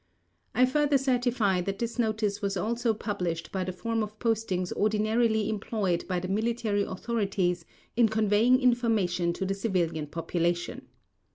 I further certify that this notice was also published by the form of postings ordinarily employed by the military authorities in conveying information to the civilian population.